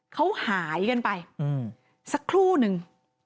เขาหายกันไปสักครู่นึง